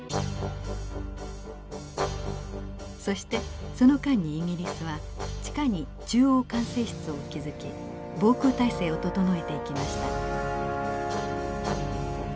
そしてその間にイギリスは地下に中央管制室を築き防空体制を整えていきました。